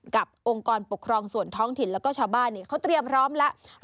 องค์กรปกครองส่วนท้องถิ่นแล้วก็ชาวบ้านเขาเตรียมพร้อมแล้ว